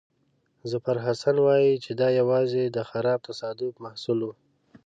ظفرحسن وایي چې دا یوازې د خراب تصادف محصول وو.